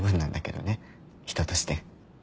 人として。